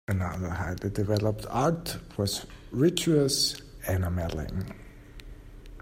Another highly developed art was vitreous enameling.